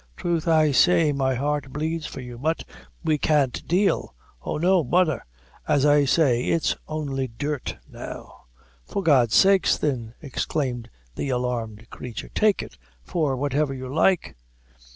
Troth, I say, my heart bleeds for you; but we can't dale; oh, no! butther, as I said, is only dirt now." "For God's sake, thin," exclaimed the alarmed creature, "take it for whatever you like."